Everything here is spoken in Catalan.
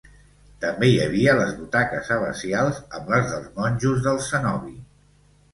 També hi havia les butaques abacials amb les dels monjos del cenobi.